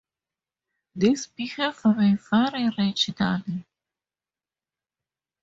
This behaviour may vary regionally.